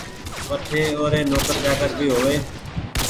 وٺي او ري نوڪر چآڪر ڀي هووي